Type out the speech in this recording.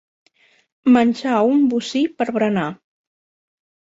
Menjar un bocí per berenar.